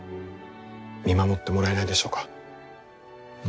見守ってもらえないでしょうか？